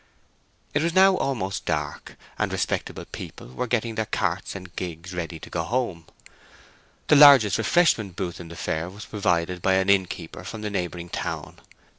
It was now almost dark, and respectable people were getting their carts and gigs ready to go home. The largest refreshment booth in the fair was provided by an innkeeper from a neighbouring town.